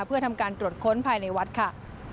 เพื่อทำการตรวจค้นภายในวัดค่ะ